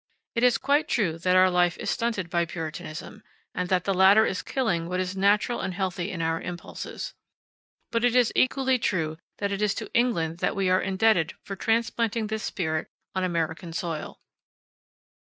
It is quite true that our life is stunted by Puritanism, and that the latter is killing what is natural and healthy in our impulses. But it is equally true that it is to England that we are indebted for transplanting this spirit on American soil.